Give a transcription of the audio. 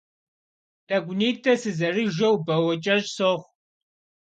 Тӏэкӏунитӏэ сызэрыжэу бауэкӏэщӏ сохъу.